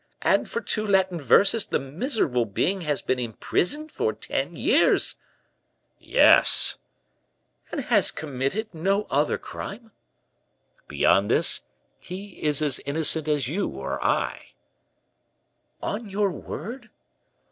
and, for 'two Latin verses,' the miserable being has been in prison for ten years!" "Yes!" "And has committed no other crime?" "Beyond this, he is as innocent as you or I." "On your word?"